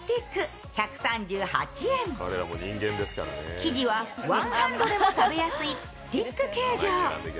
生地はワンハンドでも食べやすいスティック形状。